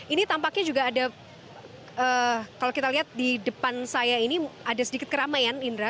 ini tampaknya juga ada kalau kita lihat di depan saya ini ada sedikit keramaian indra